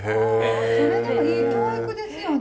それでもいい教育ですよね。